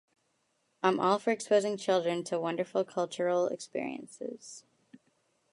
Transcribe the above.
I'm all for exposing children to wonderful cultural experiences.